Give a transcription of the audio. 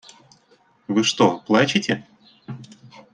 Вы что плачете?